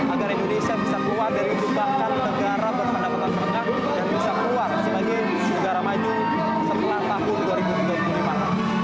agar indonesia bisa keluar dari jubahkan negara berpendapatan menengah dan bisa keluar sebagai negara maju setelah tahun dua ribu dua puluh lima